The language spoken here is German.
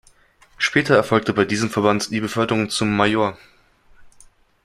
Später erfolgte bei diesem Verband die Beförderung zum Major.